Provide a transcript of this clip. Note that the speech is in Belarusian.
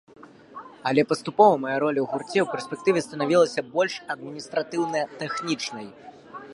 Але паступова мая роля ў гурце ў перспектыве станавілася больш адміністратыўна-тэхнічнай.